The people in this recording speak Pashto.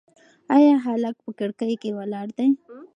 ایا هلک په کړکۍ کې ولاړ دی؟